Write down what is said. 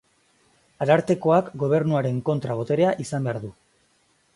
Arartekoak Gobernuaren kontra-boterea izan behar du.